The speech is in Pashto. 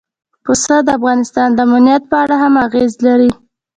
پسه د افغانستان د امنیت په اړه هم اغېز لري.